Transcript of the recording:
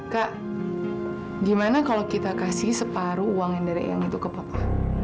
kak gimana kalau kita kasih separuh uang yang dari yang itu ke papa